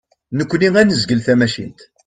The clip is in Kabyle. Nekni ad nezgel tamacint.